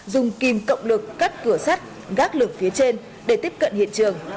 dùng kim cộng lực cắt cửa sắt gác lực phía trên để tiếp cận hiện trường